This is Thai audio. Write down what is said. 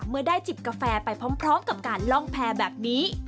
เมื่อได้จิบกาแฟไปพร้อมกับการล่องแพร่แบบนี้